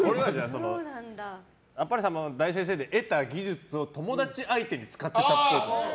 「あっぱれさんま大先生」で得た技術を友達相手に使ってたっぽい。